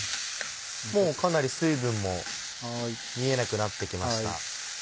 もうかなり水分も見えなくなってきました。